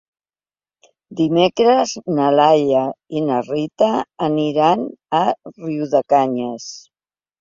Dimecres na Laia i na Rita aniran a Riudecanyes.